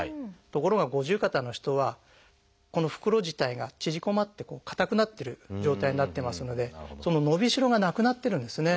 ところが五十肩の人はこの袋自体が縮こまって硬くなってる状態になってますのでその伸びしろがなくなってるんですね。